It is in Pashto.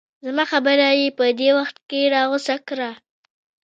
زما خبره یې په دې وخت کې راغوڅه کړه.